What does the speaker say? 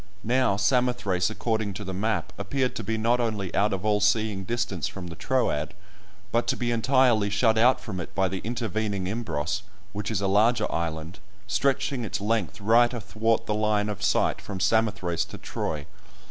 Now Samothrace, according to the map, appeared to be not only out of all seeing distance from the Troad, but to be entirely shut out from it by the intervening Imbros, which is a larger island, stretching its length right athwart the line of sight from Samothrace to Troy.